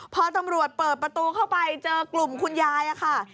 พอตำรวจเปิดประตูเข้าไปเจอกลุ่มคุณยายค่ะ